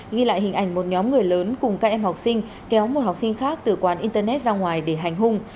ghi lại hình ảnh một nhóm người lớn cùng các em học sinh kéo một học sinh khác từ quán internet ra ngoài để hành hung